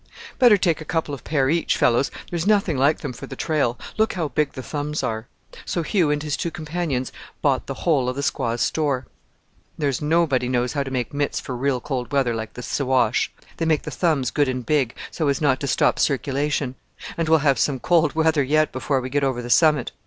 "Better take a couple of pair each, fellows; there's nothing like them for the trail: look how big the thumbs are." So Hugh and his two companions bought the whole of the squaw's store. "There's nobody knows how to make mitts for real cold weather like the Siwash. They make the thumbs good and big, so as not to stop circulation; and we'll have some cold weather yet before we get over the summit.